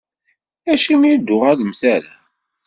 Acimi ur d-tuɣalemt ara?